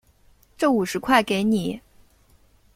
这五十块给你